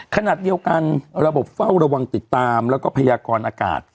ขณะเดียวกันระบบเฝ้าระวังติดตามแล้วก็พยากรอากาศ